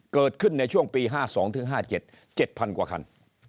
เกิดขึ้นในช่วงปี๕๒๕๗๗๐๐กว่าคัน